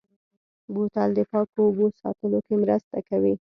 بوتل د پاکو اوبو ساتلو کې مرسته کوي.